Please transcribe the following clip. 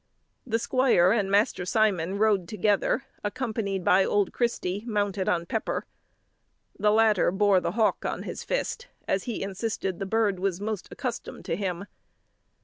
The squire and Master Simon rode together, accompanied by old Christy mounted on Pepper. The latter bore the hawk on his fist, as he insisted the bird was most accustomed to him.